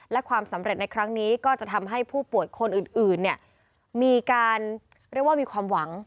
และความสำเร็จในครั้งนี้ก็จะทำให้ผู้ป่วยคนอื่นมีความหวัง